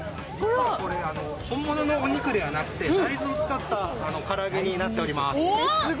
これ本物のお肉ではなくて、大豆を使った唐揚げになっております。